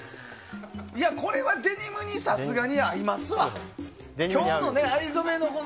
これはデニムにさすがに合いますわ。